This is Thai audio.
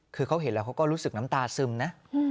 คือเขาเห็นแล้วเขาก็รู้สึกน้ำตาซึมนะ